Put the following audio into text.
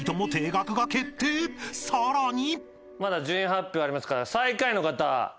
［さらに］